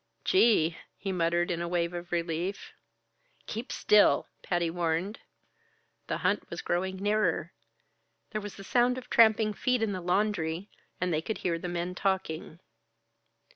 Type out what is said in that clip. "Gee!" he muttered in a wave of relief. "Keep still!" Patty warned. The hunt was growing nearer. There was the sound of tramping feet in the laundry and they could hear the men talking.